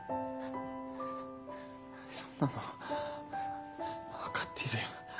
そんなの分かってるよ。